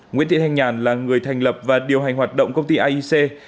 nguyễn thị thanh nhàn là người thành lập và điều hành hoạt động công ty aic